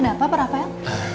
ada apa para pel